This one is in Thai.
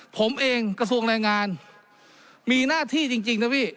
ผมเองกระทรวงแรงงานมีหน้าที่จริงนะพี่